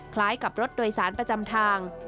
คล้ายกับรถโดยสารประจำทาง